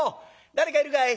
誰かいるかい？